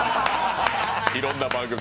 いろんな番組。